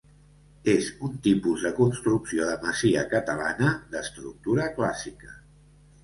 És un tipus de construcció de masia catalana d'estructura clàssica.